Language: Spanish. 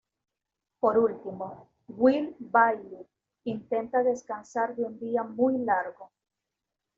Por último, Will Bailey intenta descansar de un día muy largo.